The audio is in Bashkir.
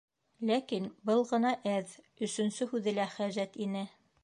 Ләкин был ғына әҙ, өсөнсө һүҙе лә хәжәт ине.